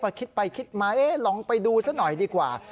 ครึ่งคิดไปมาลองไปดูซะหน่อยดีกว่า